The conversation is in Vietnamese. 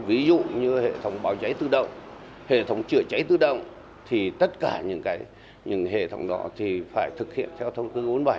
ví dụ như hệ thống báo cháy tự động hệ thống chữa cháy tự động thì tất cả những hệ thống đó thì phải thực hiện theo thông tư bốn mươi bảy